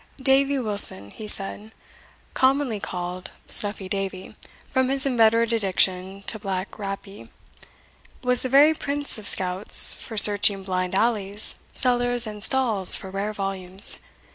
"Davy Wilson," he said, "commonly called Snuffy Davy, from his inveterate addiction to black rappee, was the very prince of scouts for searching blind alleys, cellars, and stalls for rare volumes.